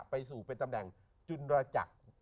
ไปสู่เป็นตำแหน่งจุนรจักร